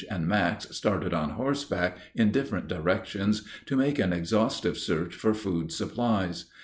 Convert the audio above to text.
and Max started on horseback, in different directions, to make an exhaustive search for food supplies.